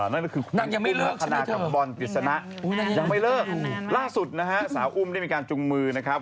นั่นยังไม่เลิกใช่ไหมเถอะนั่นยังไม่เลิกล่าสุดนะฮะสาวอุ้มได้มีการจุงมือนะครับ